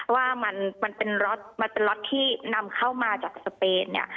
ว่ามันเป็นล็อตที่นำเข้ามาจากสเปนเนี่ย